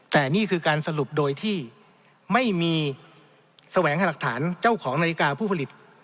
แต่นี่คือการสรุปโดยที่ไม่มีแสวงหาหลักฐานเจ้าของนาฬิกาผู้ผลิต